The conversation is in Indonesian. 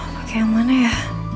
pake yang mana ya